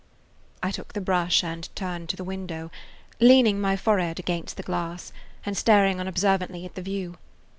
I took the brush and turned to the window, leaning my forehead against the glass and staring unobservantly at the view.